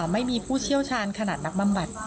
ผู้เชี่ยวชาญขนาดนักบำบัด